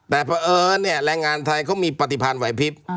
แต่เพราะเอิญเนี่ยแรงงานไทยเขามีปฏิพันธ์ไหวพิษ